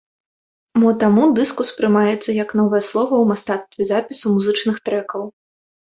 Мо таму дыск успрымаецца як новае слова ў мастацтве запісу музычных трэкаў.